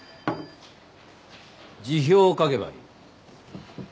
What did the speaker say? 辞表を書けばいい。